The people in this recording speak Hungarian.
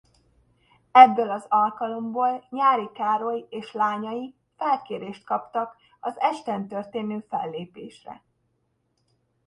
Ebből az alkalomból Nyári Károly és lányai felkérést kaptak az esten történő fellépésre.